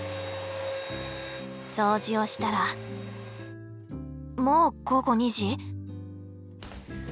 掃除をしたらもう午後２時？